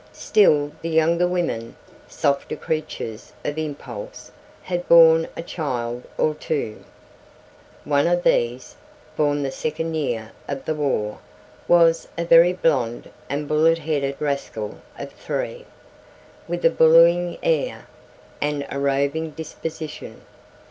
Still the younger women, softer creatures of impulse, had borne a child or two. One of these, born the second year of the war, was a very blonde and bullet headed rascal of three, with a bullying air, and of a roving disposition.